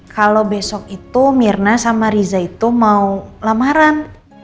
kalau besok itu mirna sama riza itu mau lamaran